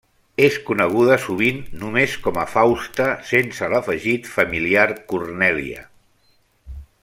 És coneguda sovint només com a Fausta sense l'afegit familiar Cornèlia.